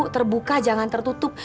terbuka jangan tertutup